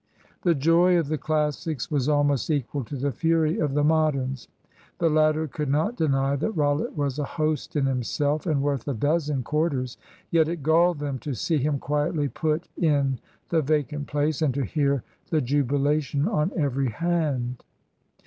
The joy of the Classics was almost equal to the fury of the Moderns. The latter could not deny that Rollitt was a host in himself, and worth a dozen Corders. Yet it galled them to see him quietly put in the vacant place, and to hear the jubilation on every hand.